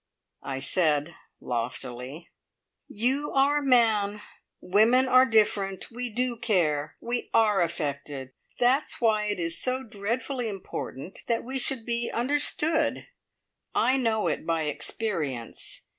I said loftily: "You are a man. Women are different. We do care. We are affected. That's why it is so dreadfully important that we should be understood. I know it by experience.